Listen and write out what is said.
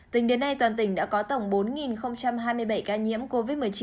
tỉnh đến nay toàn tỉnh đã có tổng bốn một mươi ba ca